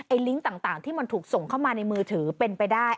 ลิงก์ต่างที่มันถูกส่งเข้ามาในมือถือเป็นไปได้